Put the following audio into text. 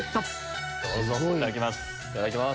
いただきます。